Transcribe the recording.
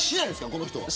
この人は。